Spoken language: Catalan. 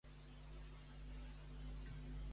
Quan té Sànchez permís per ser fora?